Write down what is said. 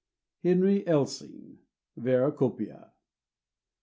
HENRY ELSYNG. (Vera Copia.)